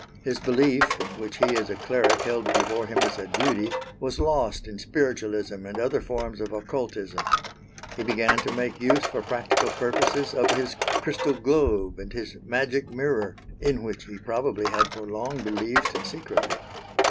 His belief, which he as a cleric held before him as a duty, was lost in spiritualism and other forms of occultism. He began to make use for practical purposes of his crystal globe and his magic mirror in which he probably had for long believed secretly.